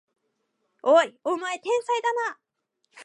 おい、お前天才だな！